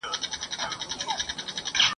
کشپ وویل خبره مو منمه!.